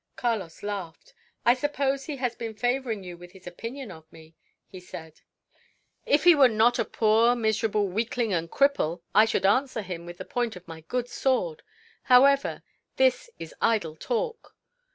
Carlos laughed. "I suppose he has been favouring you with his opinion of me," he said. "If he were not a poor miserable weakling and cripple, I should answer him with the point of my good sword. However, this is idle talk.